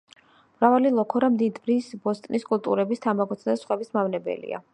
მრავალი ლოქორა მინდვრის, ბოსტნის კულტურების, თამბაქოსა სხვების მავნებელია.